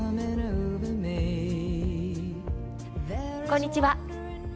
こんにちは。